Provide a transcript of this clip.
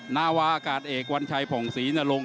นาวาอากาศเอกวัญชัยผ่องศรีนรงค